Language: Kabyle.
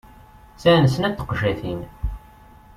Sɛan snat n teqjatin.